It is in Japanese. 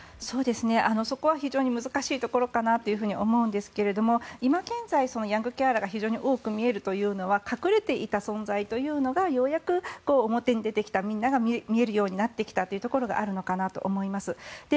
そこは非常に難しいところかなと思うんですが今現在、ヤングケアラーが非常に多く見えるというのは隠れていた存在というのがようやく表に出てきたみんなが見えるようになってきたというところがあるのかなと思います。